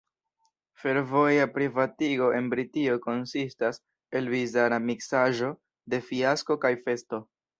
Fervoja privatigo en Britio konsistas el bizara miksaĵo de fiasko kaj festo.